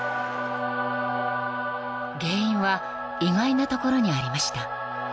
［原因は意外なところにありました］